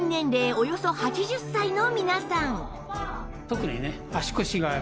およそ８０歳の皆さん